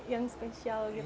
yang spesial gitu